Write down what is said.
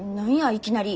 いきなり。